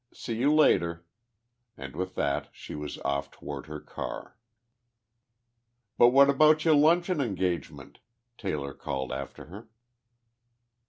See you later!" and with that she was off toward her car. "But what about your luncheon engagement?" Taylor called after her.